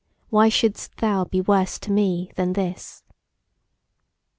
Why shouldst thou be worse to me than this?